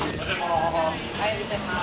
おはようございます。